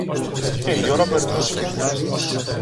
Και η ώρα περνούσε.